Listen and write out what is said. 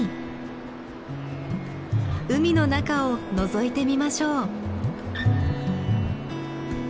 海の中をのぞいてみましょう。